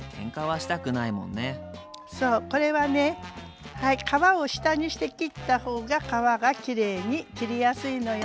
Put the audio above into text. そうこれはねはい皮を下にして切った方が皮がきれいに切りやすいのよ。